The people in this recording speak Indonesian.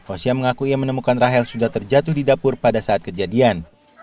osya mengaku ia menemukan rahel sudah terjatuh di dapur pada saat kejadian